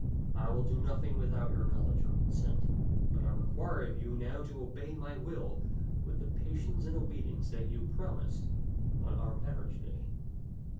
I will do nothing without your knowledge and consent ; but I require of you now to obey my will with the patience and obedience that you pro mised on our marriage day."